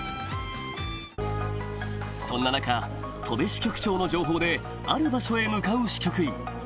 そんな中戸部支局長の情報である場所へ向かう支局員